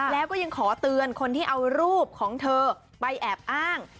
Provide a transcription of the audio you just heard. แล้วก็ยังขอเตือนคนที่เอารูปของเธอไปแอบอ้าง